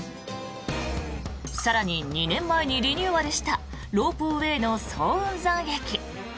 更に、２年前にリニューアルしたロープウェーの早雲山駅。